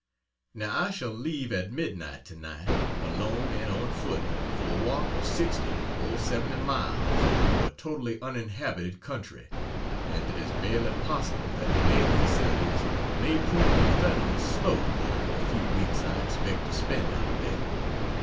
Now, I shall leave at mid night tonight, alone and on foot for a walk of 60 or 70 miles through a totally uninhabited country, and it is barely possible that mail facilities may prove infernally "slow" during the few weeks I expect to spend out there.